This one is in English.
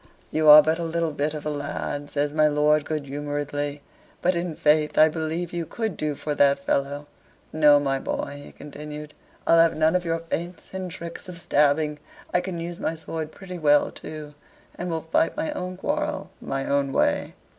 "You are but a little bit of a lad," says my lord, good humoredly; "but, in faith, I believe you could do for that fellow. No, my boy," he continued, "I'll have none of your feints and tricks of stabbing: I can use my sword pretty well too, and will fight my own quarrel my own way."